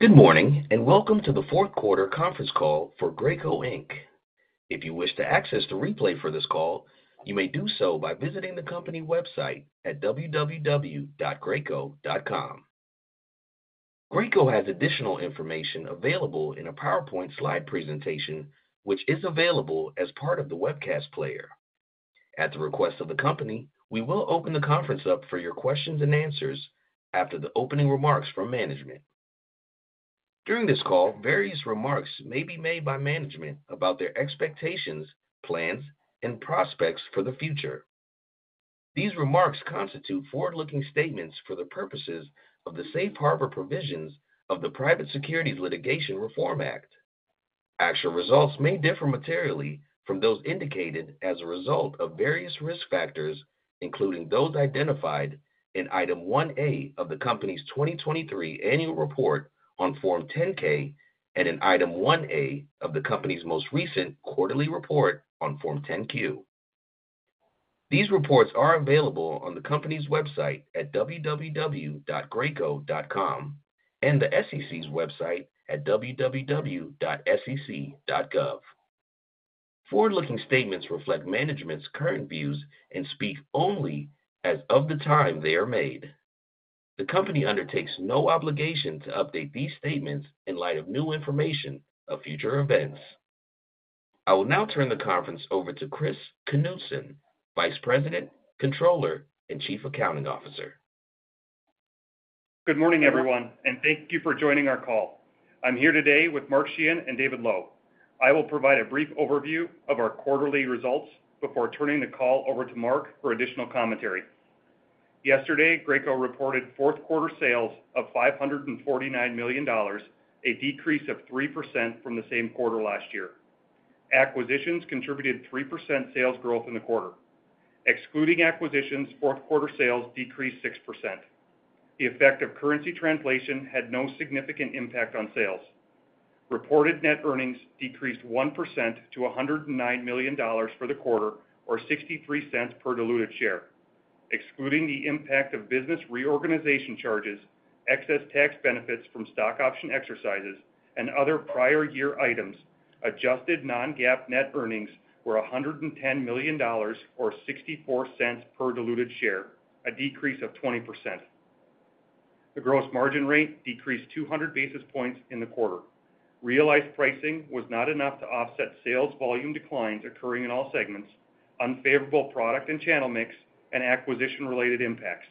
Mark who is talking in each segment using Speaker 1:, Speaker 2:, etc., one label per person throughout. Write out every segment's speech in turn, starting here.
Speaker 1: Good morning and welcome to the fourth quarter conference call for Graco Inc. If you wish to access the replay for this call, you may do so by visiting the company website at www.graco.com. Graco has additional information available in a PowerPoint slide presentation, which is available as part of the webcast player. At the request of the company, we will open the conference up for your questions and answers after the opening remarks from management. During this call, various remarks may be made by management about their expectations, plans, and prospects for the future. These remarks constitute forward-looking statements for the purposes of the safe harbor provisions of the Private Securities Litigation Reform Act. Actual results may differ materially from those indicated as a result of various risk factors, including those identified in item 1A of the company's 2023 annual report on Form 10-K and in item 1A of the company's most recent quarterly report on Form 10-Q. These reports are available on the company's website at www.graco.com and the SEC's website at www.sec.gov. Forward-looking statements reflect management's current views and speak only as of the time they are made. The company undertakes no obligation to update these statements in light of new information of future events. I will now turn the conference over to Chris Knutson, Vice President, Controller, and Chief Accounting Officer.
Speaker 2: Good morning, everyone, and thank you for joining our call. I'm here today with Mark Sheahan and David Lowe. I will provide a brief overview of our quarterly results before turning the call over to Mark for additional commentary. Yesterday, Graco reported fourth quarter sales of $549 million, a decrease of 3% from the same quarter last year. Acquisitions contributed 3% sales growth in the quarter. Excluding acquisitions, fourth quarter sales decreased 6%. The effect of currency translation had no significant impact on sales. Reported net earnings decreased 1% to $109 million for the quarter, or $0.63 per diluted share. Excluding the impact of business reorganization charges, excess tax benefits from stock option exercises, and other prior year items, adjusted Non-GAAP net earnings were $110 million, or $0.64 per diluted share, a decrease of 20%. The gross margin rate decreased 200 basis points in the quarter. Realized pricing was not enough to offset sales volume declines occurring in all segments, unfavorable product and channel mix, and acquisition-related impacts.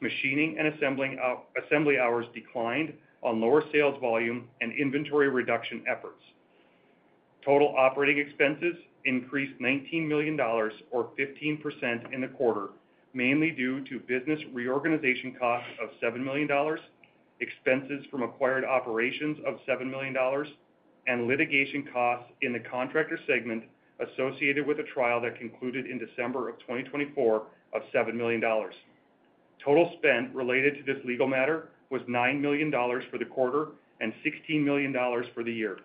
Speaker 2: Machining and assembly hours declined on lower sales volume and inventory reduction efforts. Total operating expenses increased $19 million, or 15% in the quarter, mainly due to business reorganization costs of $7 million, expenses from acquired operations of $7 million, and litigation costs in the contractor segment associated with a trial that concluded in December of 2024 of $7 million. Total spend related to this legal matter was $9 million for the quarter and $16 million for the year.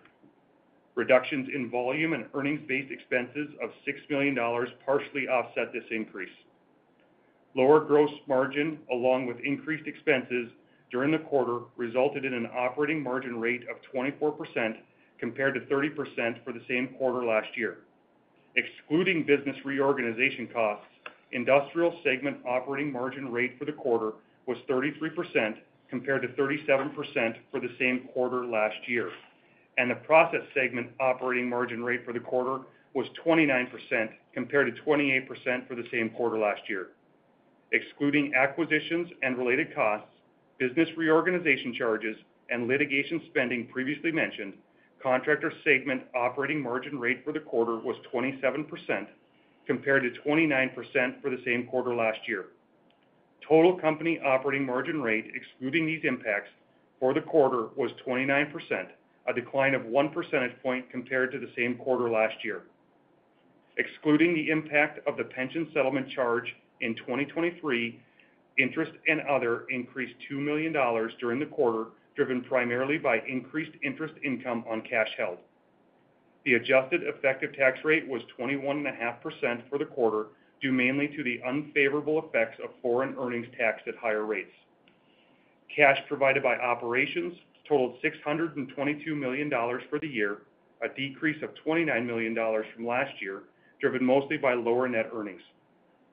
Speaker 2: Reductions in volume and earnings-based expenses of $6 million partially offset this increase. Lower gross margin, along with increased expenses during the quarter, resulted in an operating margin rate of 24% compared to 30% for the same quarter last year. Excluding business reorganization costs, industrial segment operating margin rate for the quarter was 33% compared to 37% for the same quarter last year, and the process segment operating margin rate for the quarter was 29% compared to 28% for the same quarter last year. Excluding acquisitions and related costs, business reorganization charges, and litigation spending previously mentioned, contractor segment operating margin rate for the quarter was 27% compared to 29% for the same quarter last year. Total company operating margin rate, excluding these impacts, for the quarter was 29%, a decline of one percentage point compared to the same quarter last year. Excluding the impact of the pension settlement charge in 2023, interest and other increased $2 million during the quarter, driven primarily by increased interest income on cash held. The adjusted effective tax rate was 21.5% for the quarter, due mainly to the unfavorable effects of foreign earnings tax at higher rates. Cash provided by operations totaled $622 million for the year, a decrease of $29 million from last year, driven mostly by lower net earnings.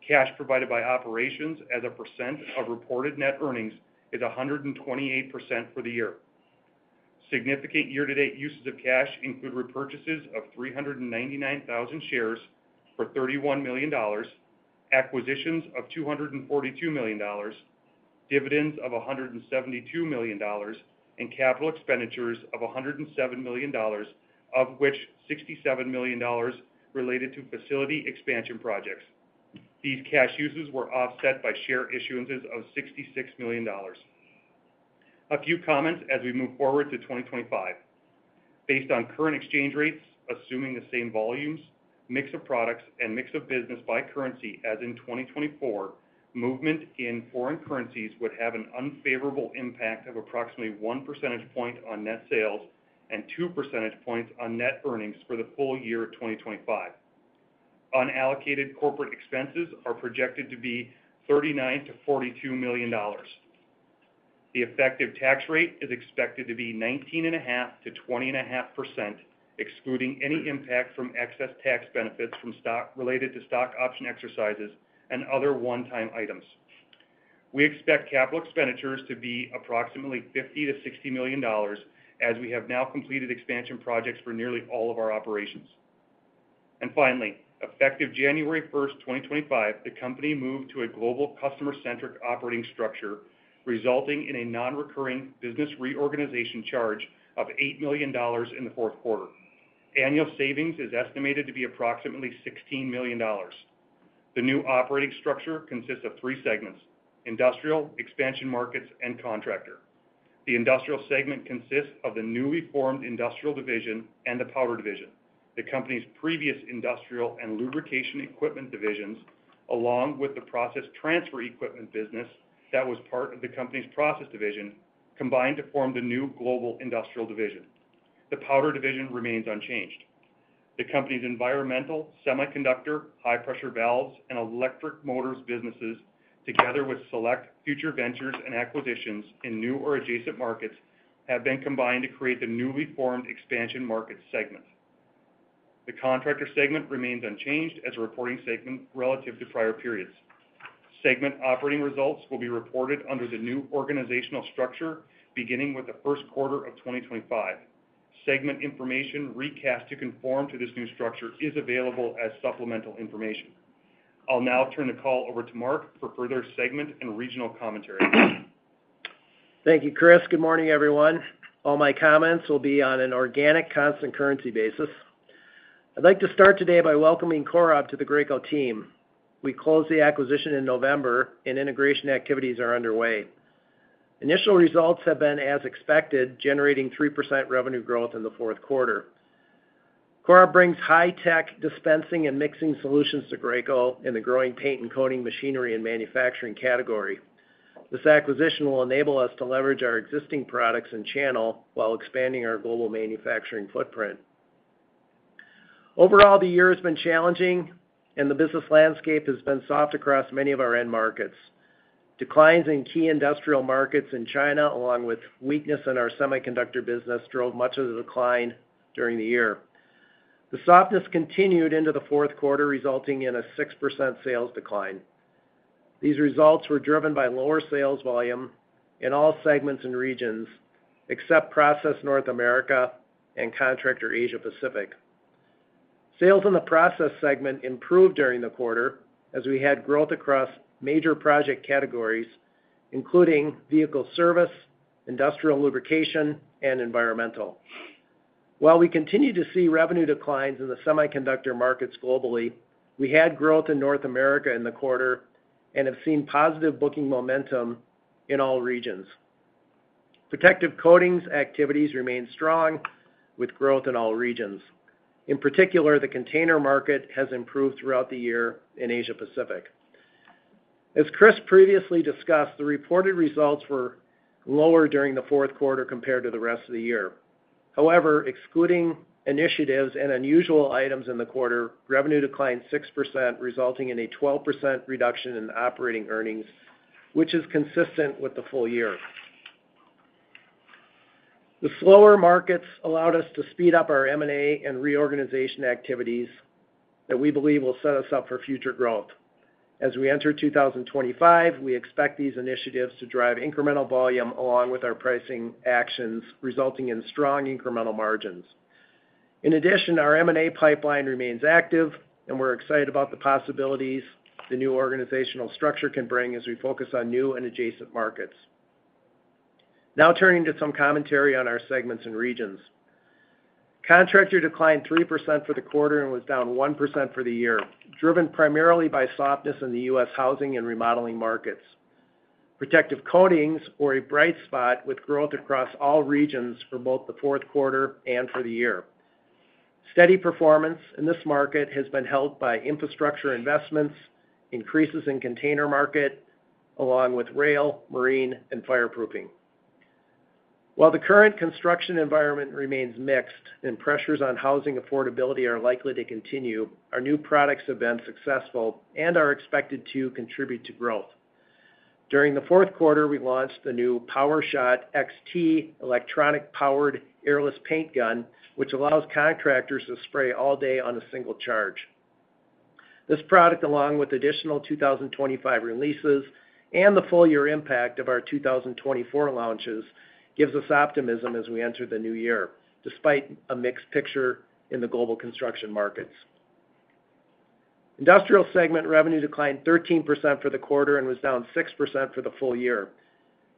Speaker 2: Cash provided by operations as a percent of reported net earnings is 128% for the year. Significant year-to-date uses of cash include repurchases of 399,000 shares for $31 million, acquisitions of $242 million, dividends of $172 million, and capital expenditures of $107 million, of which $67 million related to facility expansion projects. These cash uses were offset by share issuances of $66 million. A few comments as we move forward to 2025. Based on current exchange rates, assuming the same volumes, mix of products, and mix of business by currency as in 2024, movement in foreign currencies would have an unfavorable impact of approximately one percentage point on net sales and two percentage points on net earnings for the full year of 2025. Unallocated corporate expenses are projected to be $39 million-$42 million. The effective tax rate is expected to be 19.5%-20.5%, excluding any impact from excess tax benefits from stock related to stock option exercises and other one-time items. We expect capital expenditures to be approximately $50 million-$60 million, as we have now completed expansion projects for nearly all of our operations. And finally, effective January 1st, 2025, the company moved to a global customer-centric operating structure, resulting in a non-recurring business reorganization charge of $8 million in the fourth quarter. Annual savings is estimated to be approximately $16 million. The new operating structure consists of three segments: industrial, expansion markets, and contractor. The industrial segment consists of the newly formed industrial division and the power division. The company's previous industrial and lubrication equipment divisions, along with the process transfer equipment business that was part of the company's process division, combined to form the new global industrial division. The power division remains unchanged. The company's environmental, semiconductor, high-pressure valves, and electric motors businesses, together with select future ventures and acquisitions in new or adjacent markets, have been combined to create the newly formed expansion market segment. The contractor segment remains unchanged as a reporting segment relative to prior periods. Segment operating results will be reported under the new organizational structure, beginning with the first quarter of 2025. Segment information recast to conform to this new structure is available as supplemental information. I'll now turn the call over to Mark for further segment and regional commentary.
Speaker 3: Thank you, Chris. Good morning, everyone. All my comments will be on an organic constant currency basis. I'd like to start today by welcoming COROB to the Graco team. We closed the acquisition in November, and integration activities are underway. Initial results have been, as expected, generating 3% revenue growth in the fourth quarter. COROB brings high-tech dispensing and mixing solutions to Graco in the growing paint and coating machinery and manufacturing category. This acquisition will enable us to leverage our existing products and channel while expanding our global manufacturing footprint. Overall, the year has been challenging, and the business landscape has been soft across many of our end markets. Declines in key industrial markets in China, along with weakness in our semiconductor business, drove much of the decline during the year. The softness continued into the fourth quarter, resulting in a 6% sales decline. These results were driven by lower sales volume in all segments and regions, except process North America and contractor Asia-Pacific. Sales in the process segment improved during the quarter as we had growth across major project categories, including vehicle service, industrial lubrication, and environmental. While we continue to see revenue declines in the semiconductor markets globally, we had growth in North America in the quarter and have seen positive booking momentum in all regions. Protective coatings activities remain strong, with growth in all regions. In particular, the container market has improved throughout the year in Asia-Pacific. As Chris previously discussed, the reported results were lower during the fourth quarter compared to the rest of the year. However, excluding initiatives and unusual items in the quarter, revenue declined 6%, resulting in a 12% reduction in operating earnings, which is consistent with the full year. The slower markets allowed us to speed up our M&A and reorganization activities that we believe will set us up for future growth. As we enter 2025, we expect these initiatives to drive incremental volume along with our pricing actions, resulting in strong incremental margins. In addition, our M&A pipeline remains active, and we're excited about the possibilities the new organizational structure can bring as we focus on new and adjacent markets. Now turning to some commentary on our segments and regions. Contractor declined 3% for the quarter and was down 1% for the year, driven primarily by softness in the U.S. housing and remodeling markets. Protective coatings were a bright spot with growth across all regions for both the fourth quarter and for the year. Steady performance in this market has been held by infrastructure investments, increases in container market, along with rail, marine, and fireproofing. While the current construction environment remains mixed and pressures on housing affordability are likely to continue, our new products have been successful and are expected to contribute to growth. During the fourth quarter, we launched the new PowerShot XT electronic powered airless paint gun, which allows contractors to spray all day on a single charge. This product, along with additional 2025 releases and the full year impact of our 2024 launches, gives us optimism as we enter the new year, despite a mixed picture in the global construction markets. Industrial segment revenue declined 13% for the quarter and was down 6% for the full year.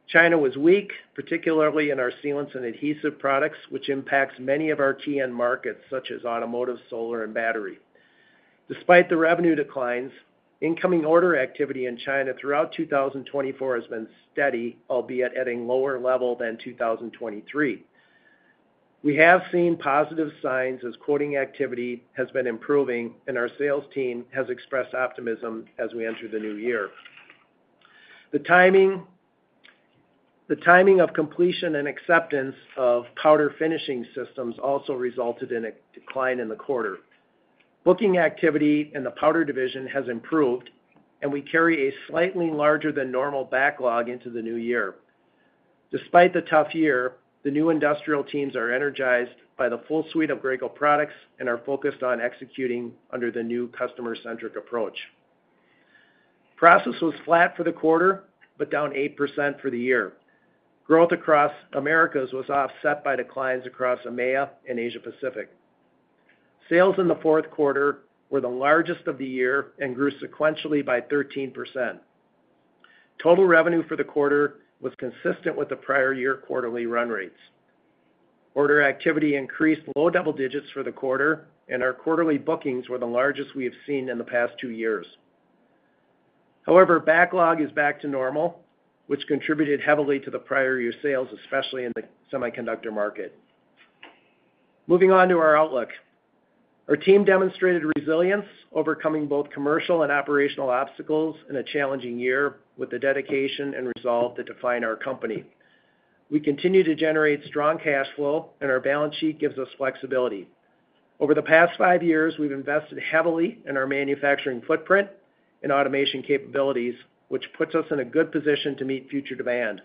Speaker 3: China was weak, particularly in our sealants and adhesive products, which impacts many of our key end markets, such as automotive, solar, and battery. Despite the revenue declines, incoming order activity in China throughout 2024 has been steady, albeit at a lower level than 2023. We have seen positive signs as quoting activity has been improving, and our sales team has expressed optimism as we enter the new year. The timing of completion and acceptance of powder finishing systems also resulted in a decline in the quarter. Booking activity in the powder division has improved, and we carry a slightly larger than normal backlog into the new year. Despite the tough year, the new industrial teams are energized by the full suite of Graco products and are focused on executing under the new customer-centric approach. Process was flat for the quarter, but down 8% for the year. Growth across Americas was offset by declines across EMEA and Asia-Pacific. Sales in the fourth quarter were the largest of the year and grew sequentially by 13%. Total revenue for the quarter was consistent with the prior year quarterly run rates. Order activity increased low double digits for the quarter, and our quarterly bookings were the largest we have seen in the past two years. However, backlog is back to normal, which contributed heavily to the prior year sales, especially in the semiconductor market. Moving on to our outlook, our team demonstrated resilience overcoming both commercial and operational obstacles in a challenging year with the dedication and resolve that define our company. We continue to generate strong cash flow, and our balance sheet gives us flexibility. Over the past five years, we've invested heavily in our manufacturing footprint and automation capabilities, which puts us in a good position to meet future demand.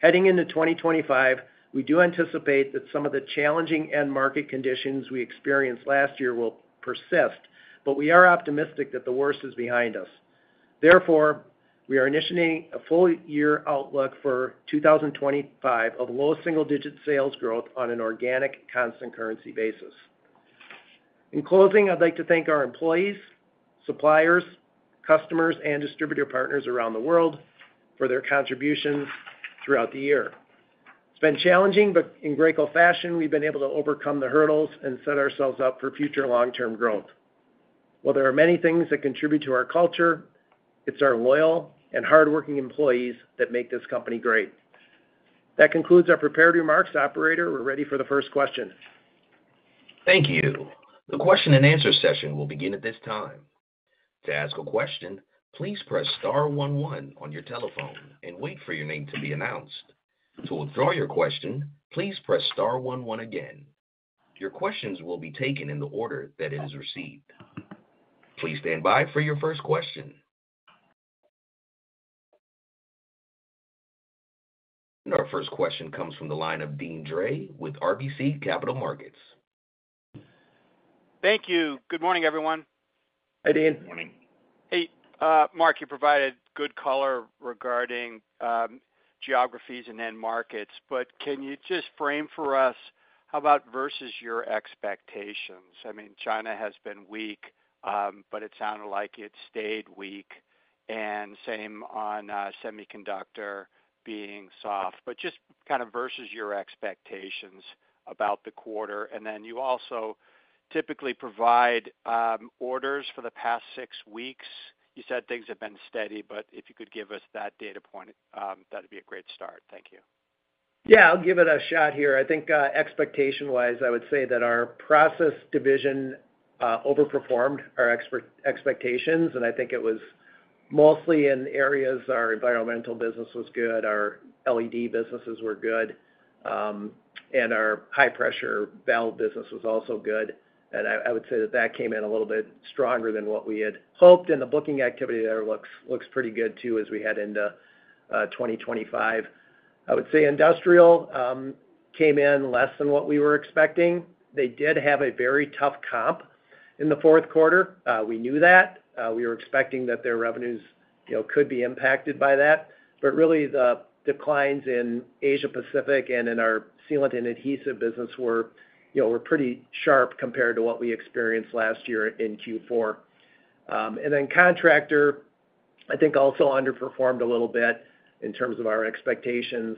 Speaker 3: Heading into 2025, we do anticipate that some of the challenging end market conditions we experienced last year will persist, but we are optimistic that the worst is behind us. Therefore, we are initiating a full year outlook for 2025 of low single-digit sales growth on an organic constant currency basis. In closing, I'd like to thank our employees, suppliers, customers, and distributor partners around the world for their contributions throughout the year. It's been challenging, but in Graco fashion, we've been able to overcome the hurdles and set ourselves up for future long-term growth. While there are many things that contribute to our culture, it's our loyal and hardworking employees that make this company great. That concludes our prepared remarks. Operator, we're ready for the first question.
Speaker 1: Thank you. The question and answer session will begin at this time. To ask a question, please press star one one on your telephone and wait for your name to be announced. To withdraw your question, please press star one one again. Your questions will be taken in the order that it is received. Please stand by for your first question. Our first question comes from the line of Deane Dray with RBC Capital Markets.
Speaker 4: Thank you. Good morning, everyone.
Speaker 3: Hi, Deane.
Speaker 5: Morning.
Speaker 4: Hey, Mark, you provided good color regarding geographies and end markets, but can you just frame for us how about versus your expectations? I mean, China has been weak, but it sounded like it stayed weak, and same on semiconductor being soft, but just kind of versus your expectations about the quarter, and then you also typically provide orders for the past six weeks. You said things have been steady, but if you could give us that data point, that'd be a great start. Thank you.
Speaker 3: Yeah, I'll give it a shot here. I think expectation-wise, I would say that our process division overperformed our expectations, and I think it was mostly in areas our environmental business was good, our LED businesses were good, and our high-pressure valve business was also good. And I would say that that came in a little bit stronger than what we had hoped, and the booking activity there looks pretty good too as we head into 2025. I would say industrial came in less than what we were expecting. They did have a very tough comp in the fourth quarter. We knew that. We were expecting that their revenues could be impacted by that. But really, the declines in Asia-Pacific and in our sealant and adhesive business were pretty sharp compared to what we experienced last year in Q4. And then contractor, I think also underperformed a little bit in terms of our expectations.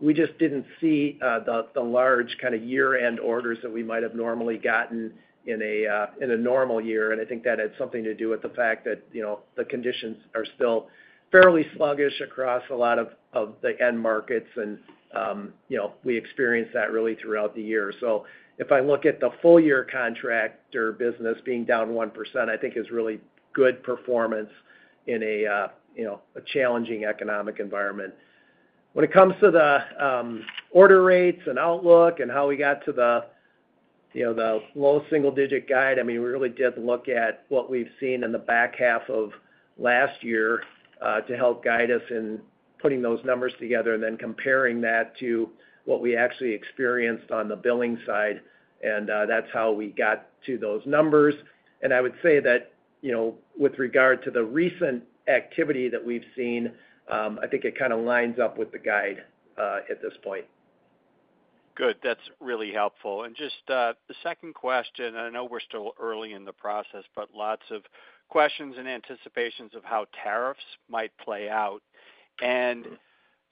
Speaker 3: We just didn't see the large kind of year-end orders that we might have normally gotten in a normal year. And I think that had something to do with the fact that the conditions are still fairly sluggish across a lot of the end markets, and we experienced that really throughout the year. So if I look at the full year contractor business being down 1%, I think is really good performance in a challenging economic environment. When it comes to the order rates and outlook and how we got to the low single-digit guide, I mean, we really did look at what we've seen in the back half of last year to help guide us in putting those numbers together and then comparing that to what we actually experienced on the billing side. That's how we got to those numbers. I would say that with regard to the recent activity that we've seen, I think it kind of lines up with the guide at this point.
Speaker 4: Good. That's really helpful. And just the second question, and I know we're still early in the process, but lots of questions and anticipations of how tariffs might play out. And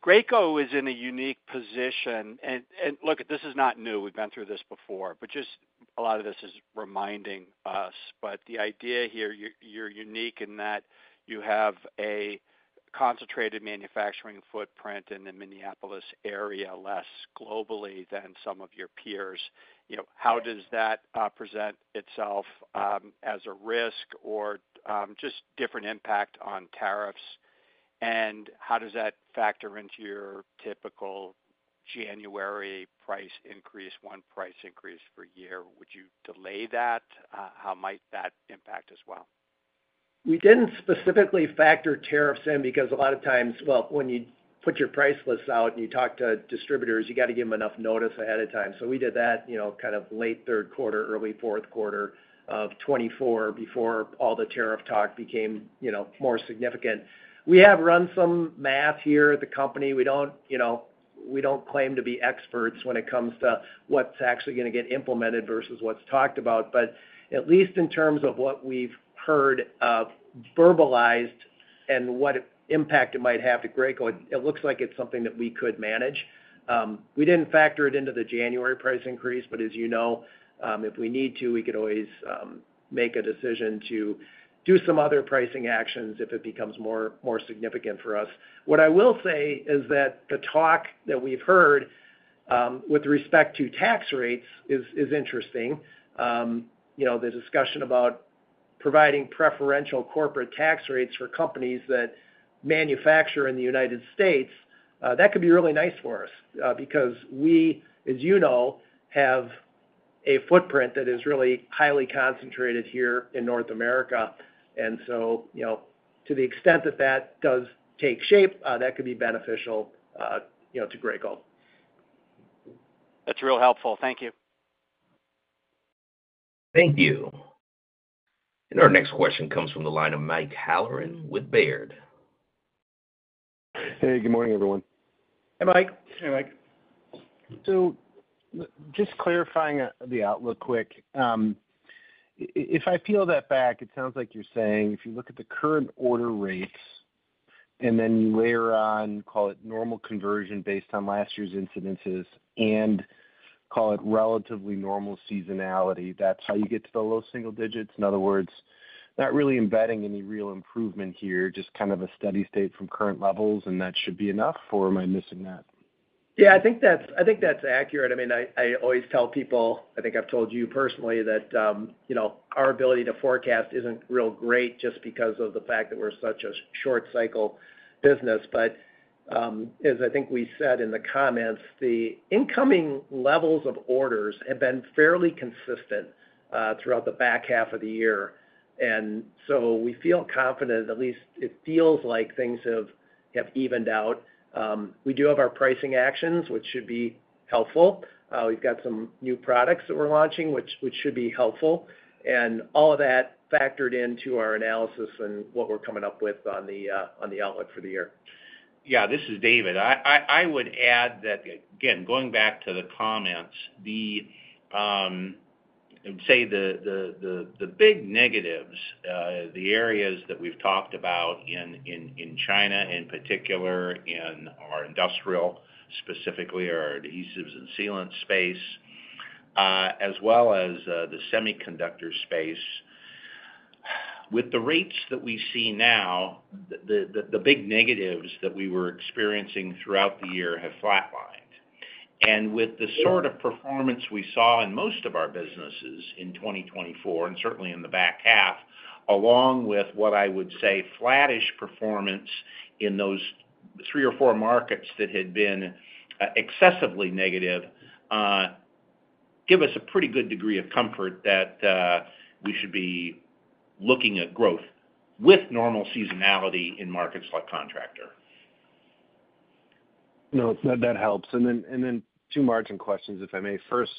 Speaker 4: Graco is in a unique position. And look, this is not new. We've been through this before, but just a lot of this is reminding us. But the idea here, you're unique in that you have a concentrated manufacturing footprint in the Minneapolis area, less globally than some of your peers. How does that present itself as a risk or just different impact on tariffs? And how does that factor into your typical January price increase, one price increase per year? Would you delay that? How might that impact as well?
Speaker 3: We didn't specifically factor tariffs in because a lot of times, well, when you put your price list out and you talk to distributors, you got to give them enough notice ahead of time. So we did that kind of late third quarter, early fourth quarter of 2024 before all the tariff talk became more significant. We have run some math here at the company. We don't claim to be experts when it comes to what's actually going to get implemented versus what's talked about. But at least in terms of what we've heard verbalized and what impact it might have to Graco, it looks like it's something that we could manage. We didn't factor it into the January price increase, but as you know, if we need to, we could always make a decision to do some other pricing actions if it becomes more significant for us. What I will say is that the talk that we've heard with respect to tax rates is interesting. The discussion about providing preferential corporate tax rates for companies that manufacture in the United States, that could be really nice for us because we, as you know, have a footprint that is really highly concentrated here in North America, and so to the extent that that does take shape, that could be beneficial to Graco.
Speaker 4: That's real helpful. Thank you.
Speaker 1: Thank you. Our next question comes from the line of Mike Halloran with Baird.
Speaker 6: Hey, good morning, everyone.
Speaker 3: Hey, Mike.
Speaker 5: Hey, Mike.
Speaker 6: So just clarifying the outlook quick. If I peel that back, it sounds like you're saying if you look at the current order rates and then you layer on, call it normal conversion based on last year's incidences and call it relatively normal seasonality, that's how you get to the low single digits. In other words, not really embedding any real improvement here, just kind of a steady state from current levels, and that should be enough or am I missing that?
Speaker 3: Yeah, I think that's accurate. I mean, I always tell people, I think I've told you personally that our ability to forecast isn't real great just because of the fact that we're such a short-cycle business. But as I think we said in the comments, the incoming levels of orders have been fairly consistent throughout the back half of the year. And so we feel confident, at least it feels like things have evened out. We do have our pricing actions, which should be helpful. We've got some new products that we're launching, which should be helpful. And all of that factored into our analysis and what we're coming up with on the outlook for the year.
Speaker 5: Yeah, this is David. I would add that, again, going back to the comments, I would say the big negatives, the areas that we've talked about in China in particular, in our industrial specifically, our adhesives and sealant space, as well as the semiconductor space, with the rates that we see now, the big negatives that we were experiencing throughout the year have flatlined, and with the sort of performance we saw in most of our businesses in 2024, and certainly in the back half, along with what I would say flattish performance in those three or four markets that had been excessively negative, give us a pretty good degree of comfort that we should be looking at growth with normal seasonality in markets like contractor.
Speaker 6: No, that helps. And then two margin questions, if I may. First,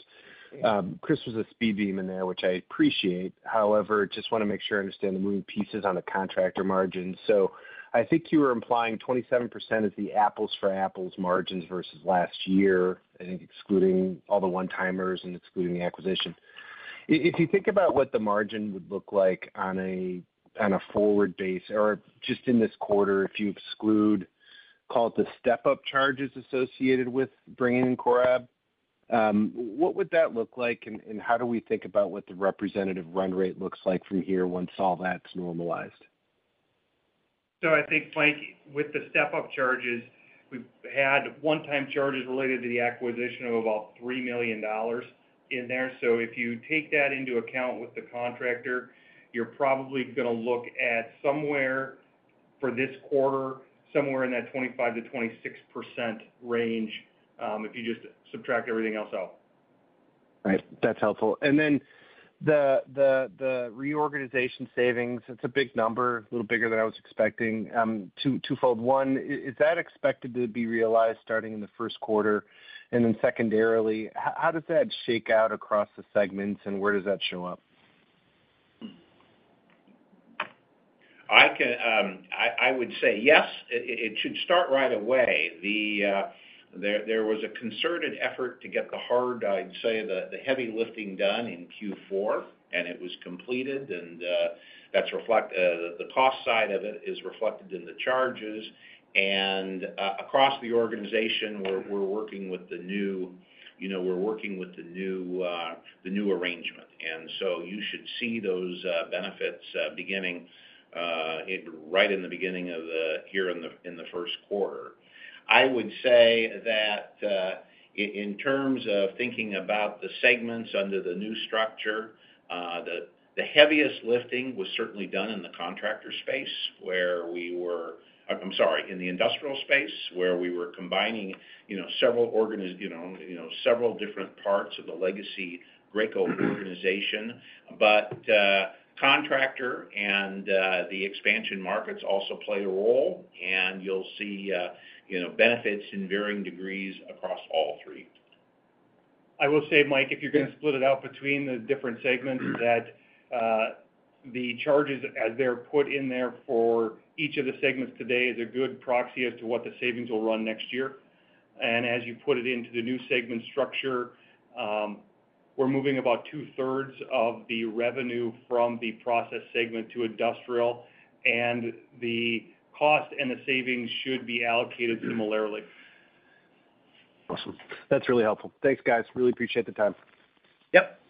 Speaker 6: Chris was a speed demon there, which I appreciate. However, I just want to make sure I understand the moving pieces on the contractor margins. So I think you were implying 27% is the apples-for-apples margins versus last year, I think excluding all the one-timers and excluding the acquisition. If you think about what the margin would look like on a forward base or just in this quarter, if you exclude, call it the step-up charges associated with bringing in COROB, what would that look like and how do we think about what the representative run rate looks like from here once all that's normalized?
Speaker 5: So I think, Mike, with the step-up charges, we've had one-time charges related to the acquisition of about $3 million in there. So if you take that into account with the contractor, you're probably going to look at somewhere for this quarter, somewhere in that 25%-26% range if you just subtract everything else out.
Speaker 6: Right. That's helpful. And then the reorganization savings, it's a big number, a little bigger than I was expecting. Twofold one, is that expected to be realized starting in the first quarter? And then secondarily, how does that shake out across the segments and where does that show up?
Speaker 5: I would say yes, it should start right away. There was a concerted effort to get the hard, I'd say the heavy lifting done in Q4, and it was completed, and the cost side of it is reflected in the charges, and across the organization, we're working with the new arrangement, and so you should see those benefits beginning right in the beginning of the year in the first quarter. I would say that in terms of thinking about the segments under the new structure, the heaviest lifting was certainly done in the contractor space where we were, I'm sorry, in the industrial space where we were combining several different parts of the legacy Graco organization, but contractor and the expansion markets also play a role, and you'll see benefits in varying degrees across all three.
Speaker 3: I will say, Mike, if you're going to split it out between the different segments, that the charges as they're put in there for each of the segments today is a good proxy as to what the savings will run next year, and as you put it into the new segment structure, we're moving about 2/3s of the revenue from the process segment to industrial, and the cost and the savings should be allocated similarly.
Speaker 6: Awesome. That's really helpful. Thanks, guys. Really appreciate the time.
Speaker 3: Yep.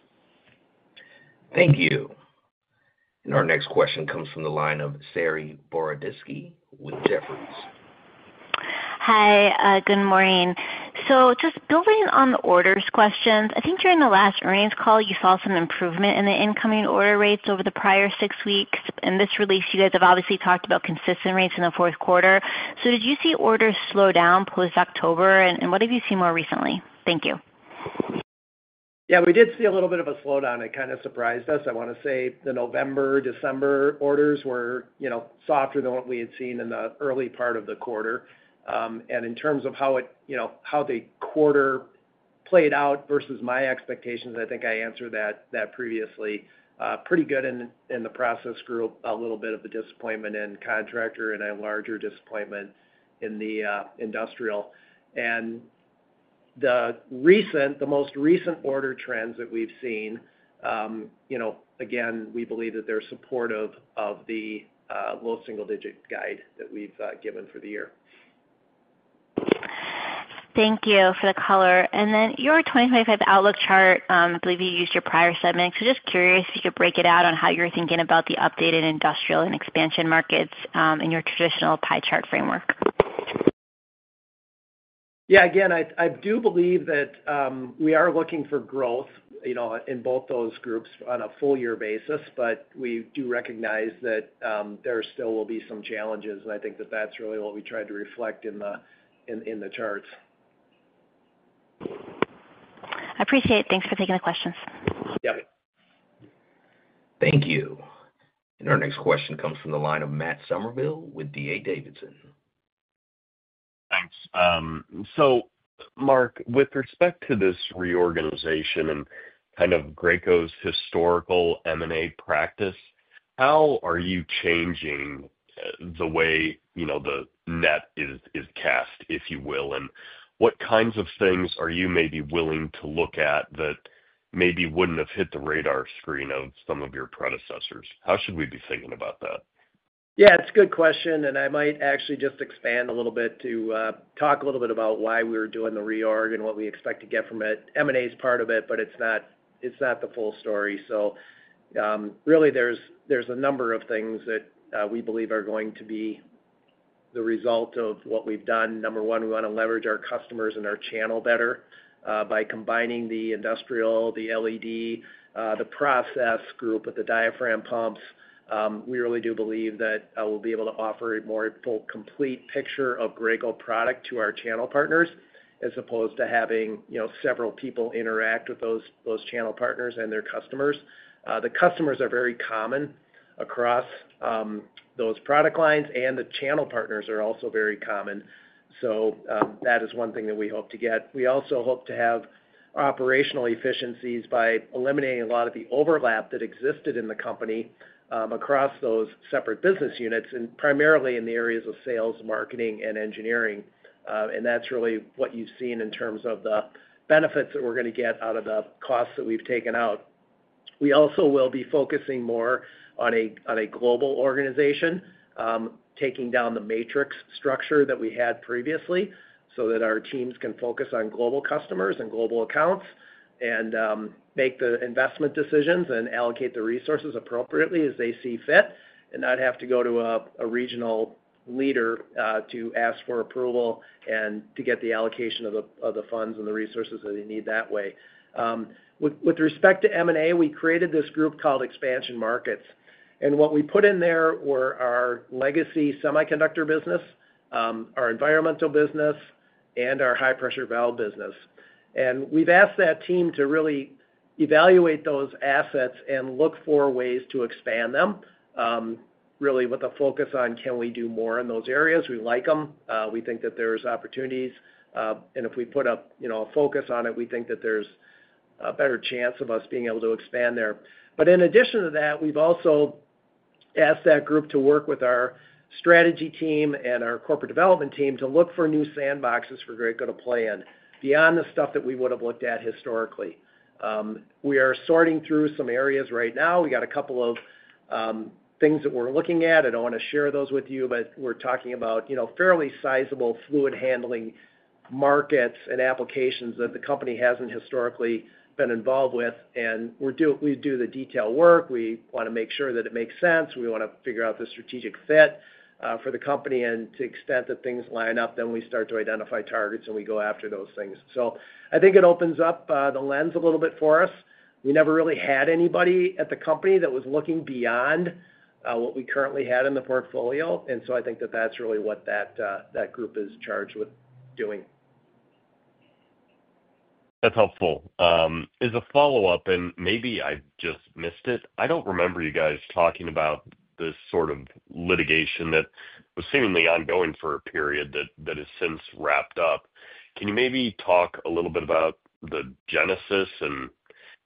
Speaker 1: Thank you. And our next question comes from the line of Saree Boroditsky with Jefferies.
Speaker 7: Hi, good morning. So just building on the orders questions, I think during the last earnings call, you saw some improvement in the incoming order rates over the prior six weeks. In this release, you guys have obviously talked about consistent rates in the fourth quarter. So did you see orders slow down post-October? And what have you seen more recently? Thank you.
Speaker 3: Yeah, we did see a little bit of a slowdown. It kind of surprised us. I want to say the November, December orders were softer than what we had seen in the early part of the quarter. And in terms of how the quarter played out versus my expectations, I think I answered that previously. Pretty good in the process group, a little bit of a disappointment in contractor and a larger disappointment in the industrial. And the most recent order trends that we've seen, again, we believe that they're supportive of the low single-digit guide that we've given for the year.
Speaker 7: Thank you for the color. And then your 2025 outlook chart, I believe you used your prior segment. So just curious if you could break it out on how you're thinking about the updated industrial and EMEA markets in your traditional pie chart framework.
Speaker 3: Yeah, again, I do believe that we are looking for growth in both those groups on a full-year basis, but we do recognize that there still will be some challenges. And I think that that's really what we tried to reflect in the charts.
Speaker 7: I appreciate it. Thanks for taking the questions.
Speaker 3: Yep.
Speaker 1: Thank you. And our next question comes from the line of Matt Summerville with D.A. Davidson.
Speaker 8: Thanks. So Mark, with respect to this reorganization and kind of Graco's historical M&A practice, how are you changing the way the net is cast, if you will? And what kinds of things are you maybe willing to look at that maybe wouldn't have hit the radar screen of some of your predecessors? How should we be thinking about that?
Speaker 3: Yeah, it's a good question, and I might actually just expand a little bit to talk a little bit about why we were doing the reorg and what we expect to get from it. M&A is part of it, but it's not the full story, so really, there's a number of things that we believe are going to be the result of what we've done. Number one, we want to leverage our customers and our channel better by combining the industrial, the LED, the process group with the diaphragm pumps. We really do believe that we'll be able to offer a more complete picture of Graco product to our channel partners as opposed to having several people interact with those channel partners and their customers. The customers are very common across those product lines, and the channel partners are also very common. So that is one thing that we hope to get. We also hope to have operational efficiencies by eliminating a lot of the overlap that existed in the company across those separate business units, and primarily in the areas of sales, marketing, and engineering. And that's really what you've seen in terms of the benefits that we're going to get out of the costs that we've taken out. We also will be focusing more on a global organization, taking down the matrix structure that we had previously so that our teams can focus on global customers and global accounts and make the investment decisions and allocate the resources appropriately as they see fit and not have to go to a regional leader to ask for approval and to get the allocation of the funds and the resources that they need that way. With respect to M&A, we created this group called Expansion Markets, and what we put in there were our legacy semiconductor business, our environmental business, and our high-pressure valve business, and we've asked that team to really evaluate those assets and look for ways to expand them, really with a focus on, can we do more in those areas? We like them. We think that there's opportunities, and if we put a focus on it, we think that there's a better chance of us being able to expand there, but in addition to that, we've also asked that group to work with our strategy team and our corporate development team to look for new sandboxes for Graco to play in beyond the stuff that we would have looked at historically. We are sorting through some areas right now. We got a couple of things that we're looking at. I don't want to share those with you, but we're talking about fairly sizable fluid handling markets and applications that the company hasn't historically been involved with. And we do the detailed work. We want to make sure that it makes sense. We want to figure out the strategic fit for the company. And to the extent that things line up, then we start to identify targets and we go after those things. So I think it opens up the lens a little bit for us. We never really had anybody at the company that was looking beyond what we currently had in the portfolio. And so I think that that's really what that group is charged with doing.
Speaker 8: That's helpful. As a follow-up, and maybe I just missed it, I don't remember you guys talking about this sort of litigation that was seemingly ongoing for a period that has since wrapped up. Can you maybe talk a little bit about the genesis and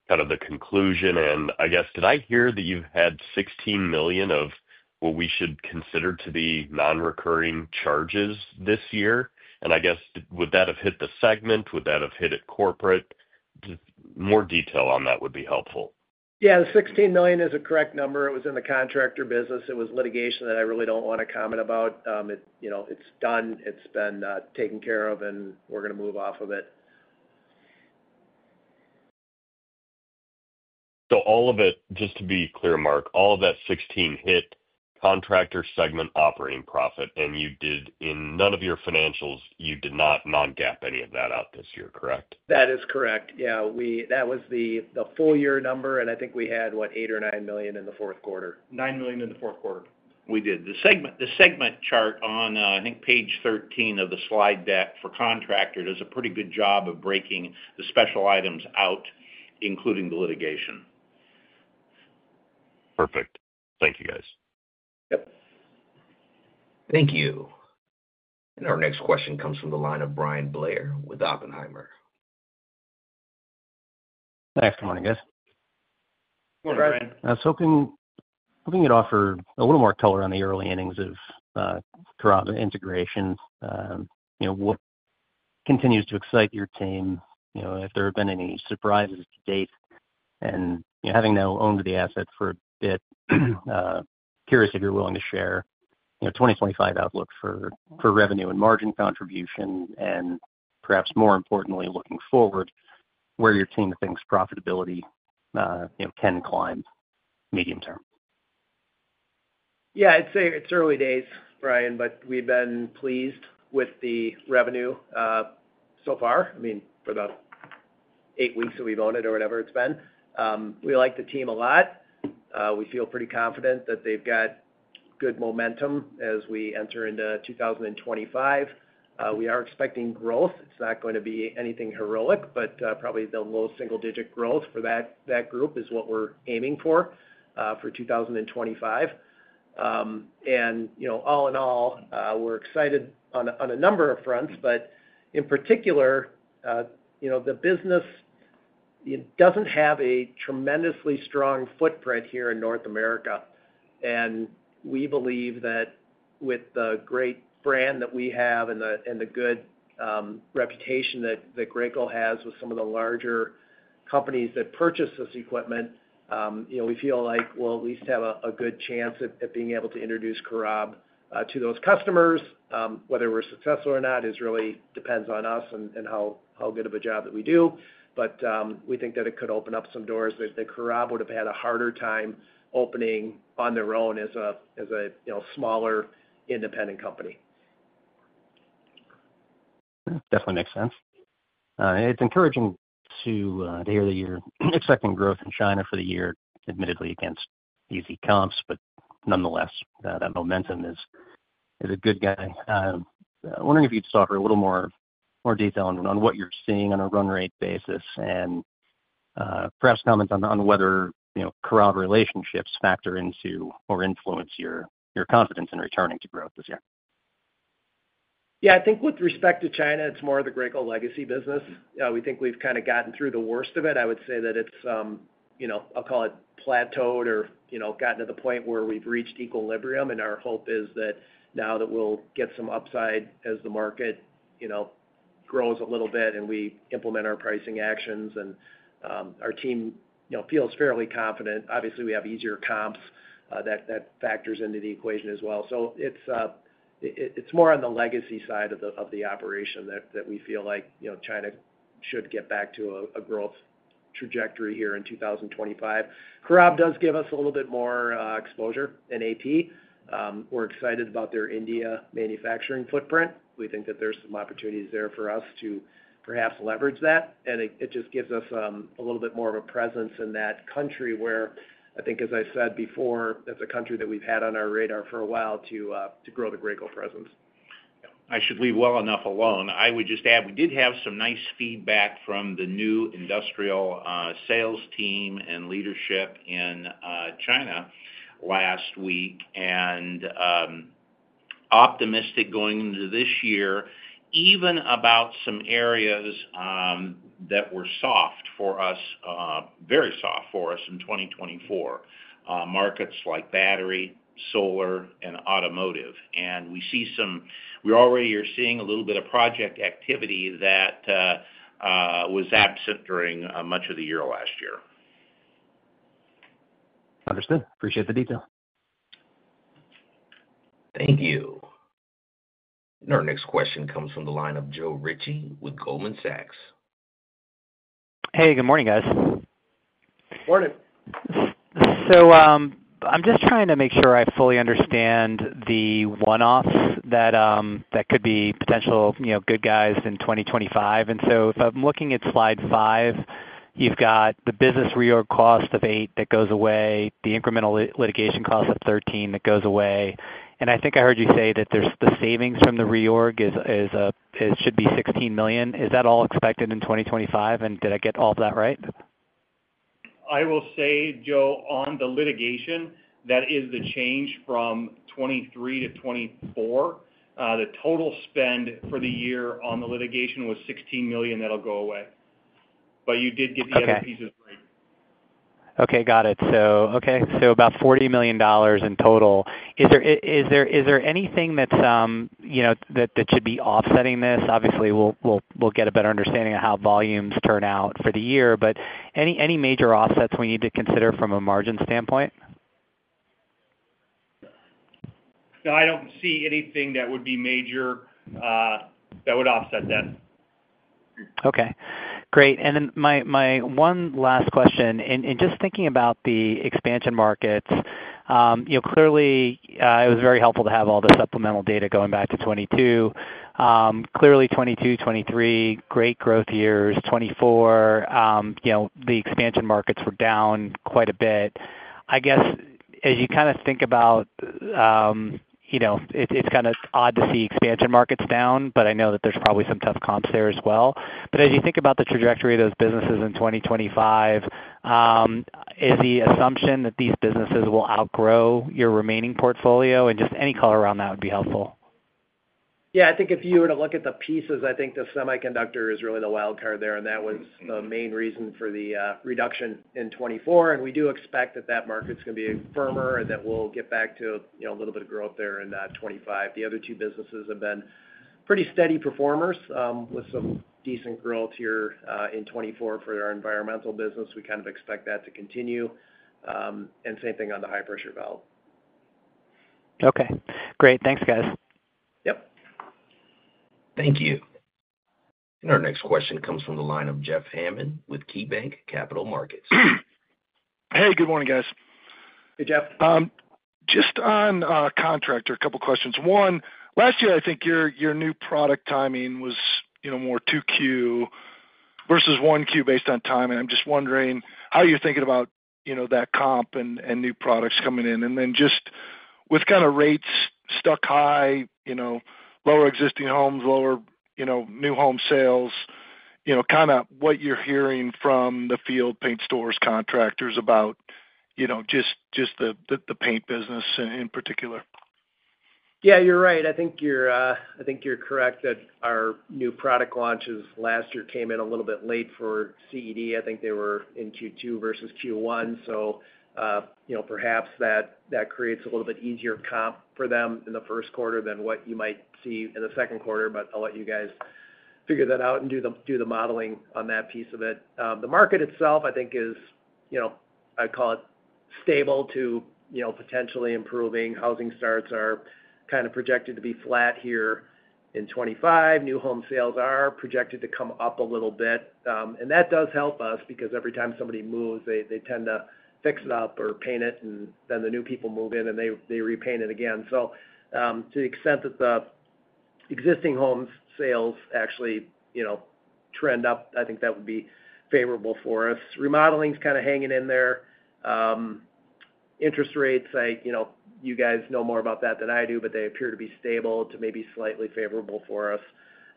Speaker 8: kind of the conclusion? And I guess, did I hear that you've had $16 million of what we should consider to be non-recurring charges this year? And I guess, would that have hit the segment? Would that have hit it corporate? More detail on that would be helpful.
Speaker 3: Yeah, $16 million is a correct number. It was in the contractor business. It was litigation that I really don't want to comment about. It's done. It's been taken care of, and we're going to move off of it.
Speaker 8: So all of it, just to be clear, Mark, all of that 16 hit contractor segment operating profit. And in any of your financials, you did not Non-GAAP any of that out this year, correct?
Speaker 3: That is correct. Yeah. That was the full-year number, and I think we had, what, $8 million or $9 million in the fourth quarter.
Speaker 5: $9 million in the fourth quarter. We did. The segment chart on, I think, page 13 of the slide deck for contractors does a pretty good job of breaking the special items out, including the litigation.
Speaker 8: Perfect. Thank you, guys.
Speaker 1: Yep. Thank you. And our next question comes from the line of Bryan Blair with Oppenheimer.
Speaker 9: Good afternoon, guys.
Speaker 3: Morning, Bryan.
Speaker 9: I was hoping you'd offer a little more color on the early innings of integration. What continues to excite your team? If there have been any surprises to date? And having now owned the asset for a bit, curious if you're willing to share 2025 outlook for revenue and margin contribution and, perhaps more importantly, looking forward, where your team thinks profitability can climb medium term.
Speaker 3: Yeah, it's early days, Bryan, but we've been pleased with the revenue so far. I mean, for the eight weeks that we've owned it or whatever it's been. We like the team a lot. We feel pretty confident that they've got good momentum as we enter into 2025. We are expecting growth. It's not going to be anything heroic, but probably the low single-digit growth for that group is what we're aiming for for 2025. And all in all, we're excited on a number of fronts, but in particular, the business doesn't have a tremendously strong footprint here in North America. And we believe that with the great brand that we have and the good reputation that Graco has with some of the larger companies that purchase this equipment, we feel like we'll at least have a good chance at being able to introduce COROB to those customers. Whether we're successful or not really depends on us and how good of a job that we do, but we think that it could open up some doors that COROB would have had a harder time opening on their own as a smaller independent company.
Speaker 9: Definitely makes sense. It's encouraging to hear that you're expecting growth in China for the year, admittedly against easy comps, but nonetheless, that momentum is a good gain. I'm wondering if you could offer a little more detail on what you're seeing on a run rate basis and perhaps comment on whether COROB relationships factor into or influence your confidence in returning to growth this year.
Speaker 3: Yeah, I think with respect to China, it's more of the Graco legacy business. We think we've kind of gotten through the worst of it. I would say that it's, I'll call it plateaued or gotten to the point where we've reached equilibrium, and our hope is that now that we'll get some upside as the market grows a little bit and we implement our pricing actions, and our team feels fairly confident. Obviously, we have easier comps that factors into the equation as well. So it's more on the legacy side of the operation that we feel like China should get back to a growth trajectory here in 2025. COROB does give us a little bit more exposure in AP. We're excited about their India manufacturing footprint. We think that there's some opportunities there for us to perhaps leverage that. It just gives us a little bit more of a presence in that country where, I think, as I said before, that's a country that we've had on our radar for a while to grow the Graco presence.
Speaker 5: I should leave well enough alone. I would just add we did have some nice feedback from the new industrial sales team and leadership in China last week, and optimistic going into this year, even about some areas that were soft for us, very soft for us in 2024, markets like battery, solar, and automotive, and we already are seeing a little bit of project activity that was absent during much of the year last year.
Speaker 9: Understood. Appreciate the detail.
Speaker 1: Thank you. And our next question comes from the line of Joe Ritchie with Goldman Sachs.
Speaker 10: Hey, good morning, guys.
Speaker 3: Morning.
Speaker 10: I'm just trying to make sure I fully understand the one-offs that could be potential good guys in 2025. And so if I'm looking at slide five, you've got the business reorg cost of $8 million that goes away, the incremental litigation cost of $13 million that goes away. And I think I heard you say that the savings from the reorg should be $16 million. Is that all expected in 2025? And did I get all of that right?
Speaker 5: I will say, Joe, on the litigation, that is the change from 2023-2024. The total spend for the year on the litigation was $16 million that'll go away. But you did get the other pieces right.
Speaker 10: Okay. Got it. Okay. So about $40 million in total. Is there anything that should be offsetting this? Obviously, we'll get a better understanding of how volumes turn out for the year, but any major offsets we need to consider from a margin standpoint?
Speaker 5: No, I don't see anything that would be major that would offset that.
Speaker 10: Okay. Great. And then my one last question. And just thinking about the expansion markets, clearly, it was very helpful to have all the supplemental data going back to 2022. Clearly, 2022, 2023, great growth years. 2024, the expansion markets were down quite a bit. I guess, as you kind of think about, it's kind of odd to see expansion markets down, but I know that there's probably some tough comps there as well. But as you think about the trajectory of those businesses in 2025, is the assumption that these businesses will outgrow your remaining portfolio? And just any color around that would be helpful.
Speaker 3: Yeah. I think if you were to look at the pieces, I think the semiconductor is really the wild card there. And that was the main reason for the reduction in 2024. And we do expect that that market's going to be firmer and that we'll get back to a little bit of growth there in 2025. The other two businesses have been pretty steady performers with some decent growth here in 2024 for our environmental business. We kind of expect that to continue. And same thing on the high-pressure valve.
Speaker 10: Okay. Great. Thanks, guys.
Speaker 3: Yep.
Speaker 1: Thank you. And our next question comes from the line of Jeff Hammond with KeyBanc Capital Markets.
Speaker 11: Hey, good morning, guys.
Speaker 3: Hey, Jeff.
Speaker 11: Just on contractor, a couple of questions. One, last year, I think your new product timing was more 2Q versus 1Q based on timing. I'm just wondering how you're thinking about that comp and new products coming in. And then just with kind of rates stuck high, lower existing homes, lower new home sales, kind of what you're hearing from the field paint stores contractors about just the paint business in particular.
Speaker 3: Yeah, you're right. I think you're correct that our new product launches last year came in a little bit late for CED. I think they were in Q2 versus Q1. So perhaps that creates a little bit easier comp for them in the first quarter than what you might see in the second quarter. But I'll let you guys figure that out and do the modeling on that piece of it. The market itself, I think, is, I'd call it, stable to potentially improving. Housing starts are kind of projected to be flat here in 2025. New home sales are projected to come up a little bit. And that does help us because every time somebody moves, they tend to fix it up or paint it. And then the new people move in, and they repaint it again. So to the extent that the existing home sales actually trend up, I think that would be favorable for us. Remodeling's kind of hanging in there. Interest rates, you guys know more about that than I do, but they appear to be stable to maybe slightly favorable for us.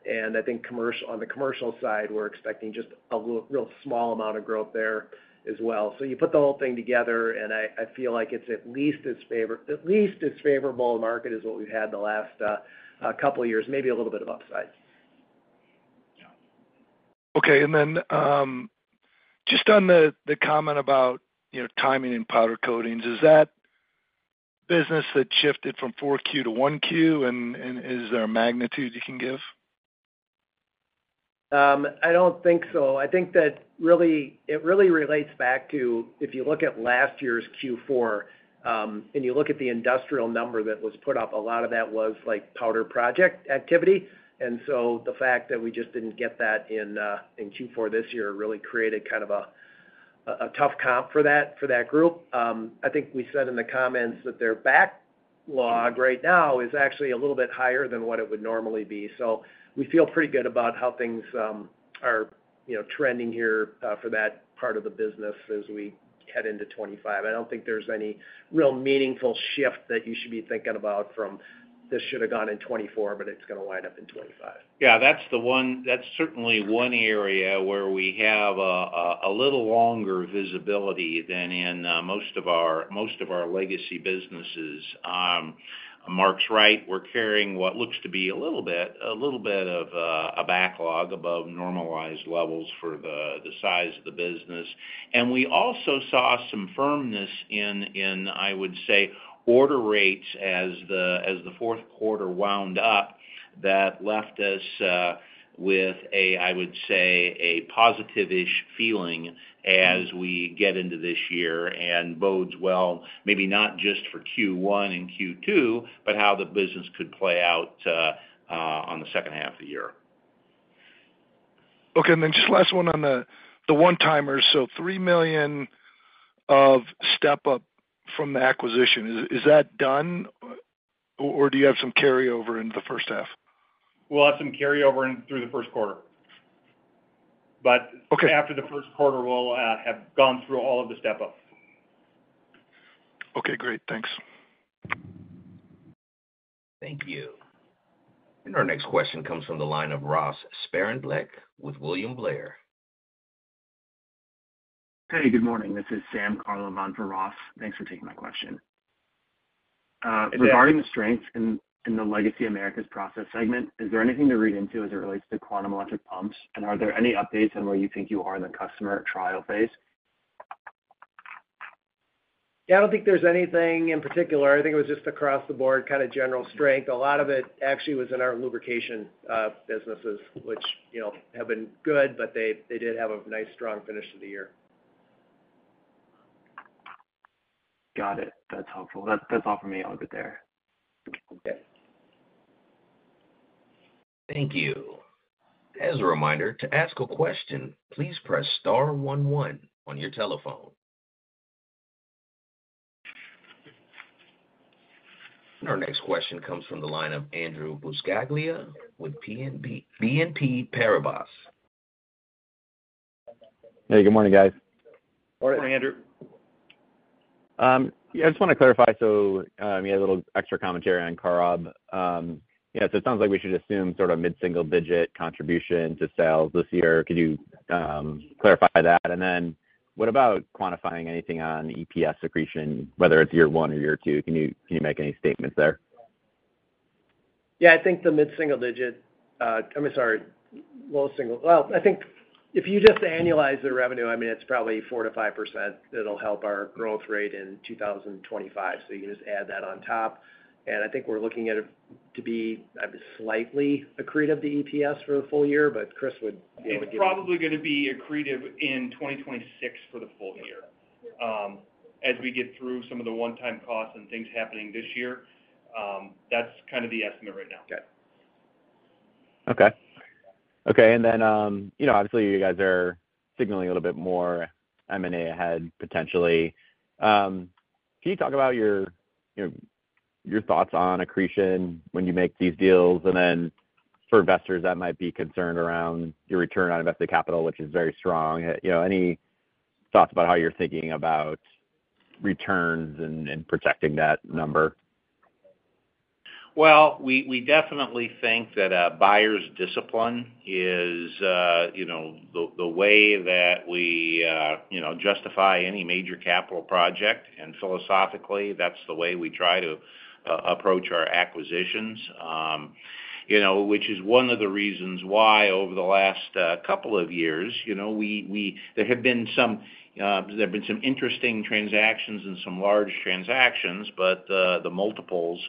Speaker 3: And I think on the commercial side, we're expecting just a real small amount of growth there as well. So you put the whole thing together, and I feel like it's at least as favorable a market as what we've had the last couple of years, maybe a little bit of upside.
Speaker 11: Okay. And then just on the comment about timing and powder coatings, is that business that shifted from 4Q to 1Q? And is there a magnitude you can give?
Speaker 3: I don't think so. I think that it really relates back to if you look at last year's Q4 and you look at the industrial number that was put up, a lot of that was powder project activity. And so the fact that we just didn't get that in Q4 this year really created kind of a tough comp for that group. I think we said in the comments that their backlog right now is actually a little bit higher than what it would normally be. So we feel pretty good about how things are trending here for that part of the business as we head into 2025. I don't think there's any real meaningful shift that you should be thinking about from this should have gone in 2024, but it's going to wind up in 2025.
Speaker 5: Yeah. That's certainly one area where we have a little longer visibility than in most of our legacy businesses. Mark's right. We're carrying what looks to be a little bit of a backlog above normalized levels for the size of the business. And we also saw some firmness in, I would say, order rates as the fourth quarter wound up that left us with a, I would say, a positive-ish feeling as we get into this year and bodes well, maybe not just for Q1 and Q2, but how the business could play out on the second half of the year.
Speaker 11: Okay. And then just last one on the one-timers. So $3 million of step-up from the acquisition. Is that done, or do you have some carryover into the first half?
Speaker 5: We'll have some carryover through the first quarter. But after the first quarter, we'll have gone through all of the step-up.
Speaker 11: Okay. Great. Thanks.
Speaker 3: Thank you.
Speaker 1: And our next question comes from the line of Ross Sparenblek with William Blair.
Speaker 12: Hey, good morning. This is Sam Karlov on for Ross. Thanks for taking my question. Regarding the strengths in the Legacy Americas process segment, is there anything to read into as it relates to QUANTM electric pumps? And are there any updates on where you think you are in the customer trial phase?
Speaker 3: Yeah. I don't think there's anything in particular. I think it was just across the board kind of general strength. A lot of it actually was in our lubrication businesses, which have been good, but they did have a nice strong finish of the year.
Speaker 12: Got it. That's helpful. That's all for me. I'll get there.
Speaker 1: Okay. Thank you. As a reminder, to ask a question, please press star one one on your telephone. Our next question comes from the line of Andrew Buscaglia with BNP Paribas.
Speaker 13: Hey, good morning, guys.
Speaker 3: Morning, Andrew.
Speaker 13: Yeah. I just want to clarify. So you had a little extra commentary on COROB. Yeah. So it sounds like we should assume sort of mid-single-digit contribution to sales this year. Could you clarify that? And then what about quantifying anything on EPS accretion, whether it's year one or year two? Can you make any statements there?
Speaker 3: Yeah. I think the mid-single-digit. I'm sorry, low single. Well, I think if you just annualize the revenue, I mean, it's probably 4%-5% that'll help our growth rate in 2025. So you can just add that on top. And I think we're looking at it to be slightly accretive to EPS for the full year. But Chris would be able to give you.
Speaker 2: It's probably going to be accretive in 2026 for the full year. As we get through some of the one-time costs and things happening this year, that's kind of the estimate right now.
Speaker 13: Okay. And then obviously, you guys are signaling a little bit more M&A ahead potentially. Can you talk about your thoughts on accretion when you make these deals? And then for investors, that might be concerned around your return on invested capital, which is very strong. Any thoughts about how you're thinking about returns and protecting that number?
Speaker 5: We definitely think that buyer's discipline is the way that we justify any major capital project. Philosophically, that's the way we try to approach our acquisitions, which is one of the reasons why over the last couple of years, there have been some interesting transactions and some large transactions, but the multiples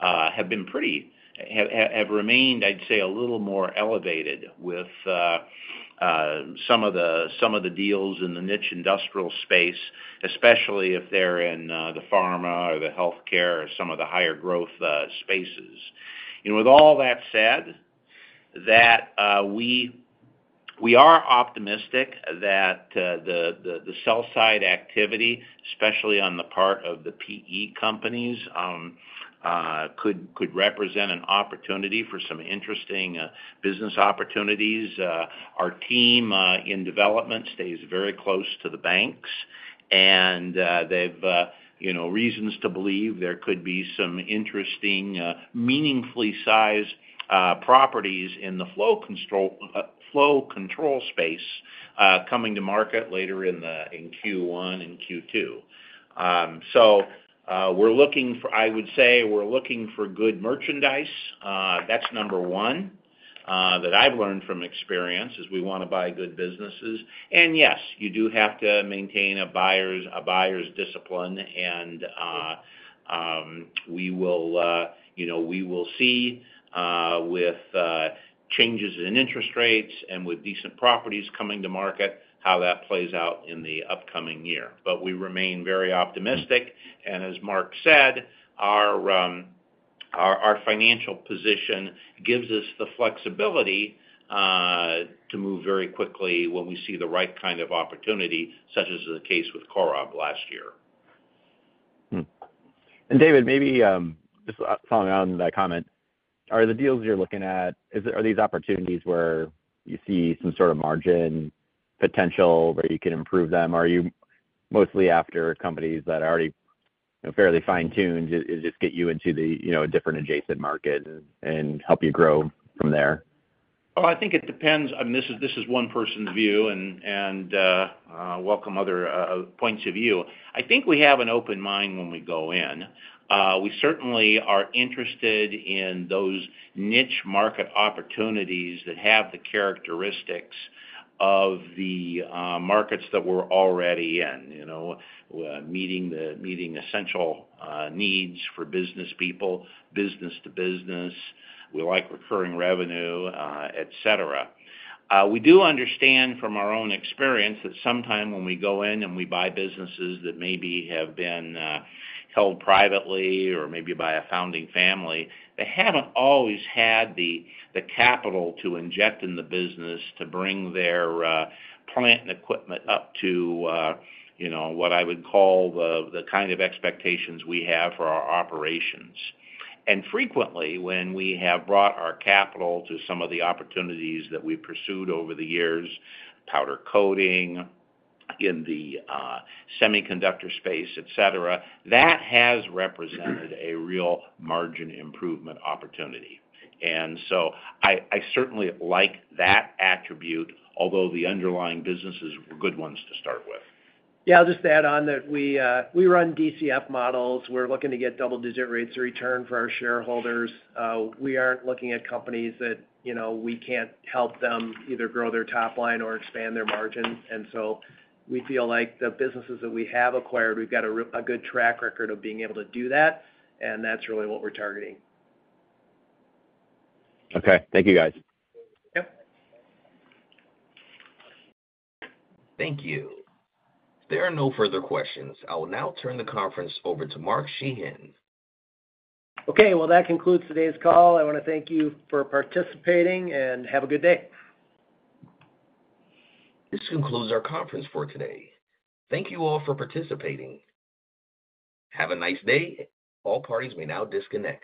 Speaker 5: have been pretty have remained, I'd say, a little more elevated with some of the deals in the niche industrial space, especially if they're in the pharma or the healthcare or some of the higher growth spaces. With all that said, we are optimistic that the sell-side activity, especially on the part of the PE companies, could represent an opportunity for some interesting business opportunities. Our team in development stays very close to the banks, and they have reasons to believe there could be some interesting meaningfully sized properties in the flow control space coming to market later in Q1 and Q2. So we're looking for, I would say, we're looking for good merchandise. That's number one that I've learned from experience is we want to buy good businesses. And yes, you do have to maintain a buyer's discipline. And we will see with changes in interest rates and with decent properties coming to market how that plays out in the upcoming year. But we remain very optimistic. And as Mark said, our financial position gives us the flexibility to move very quickly when we see the right kind of opportunity, such as the case with COROB last year.
Speaker 13: And David, maybe just following on that comment, are the deals you're looking at, are these opportunities where you see some sort of margin potential where you can improve them? Are you mostly after companies that are already fairly fine-tuned to just get you into a different adjacent market and help you grow from there?
Speaker 5: Oh, I think it depends. I mean, this is one person's view, and welcome other points of view. I think we have an open mind when we go in. We certainly are interested in those niche market opportunities that have the characteristics of the markets that we're already in, meeting essential needs for business people, business to business. We like recurring revenue, etc. We do understand from our own experience that sometimes when we go in and we buy businesses that maybe have been held privately or maybe by a founding family, they haven't always had the capital to inject in the business to bring their plant and equipment up to what I would call the kind of expectations we have for our operations. And frequently, when we have brought our capital to some of the opportunities that we've pursued over the years, powder coating in the semiconductor space, etc., that has represented a real margin improvement opportunity. And so I certainly like that attribute, although the underlying businesses were good ones to start with.
Speaker 3: Yeah. I'll just add on that we run DCF models. We're looking to get double-digit rates of return for our shareholders. We aren't looking at companies that we can't help them either grow their top line or expand their margins. And so we feel like the businesses that we have acquired, we've got a good track record of being able to do that. And that's really what we're targeting.
Speaker 13: Okay. Thank you, guys.
Speaker 3: Yep.
Speaker 1: Thank you. If there are no further questions, I will now turn the conference over to Mark Sheahan.
Speaker 3: Okay. Well, that concludes today's call. I want to thank you for participating and have a good day.
Speaker 1: This concludes our conference for today. Thank you all for participating. Have a nice day. All parties may now disconnect.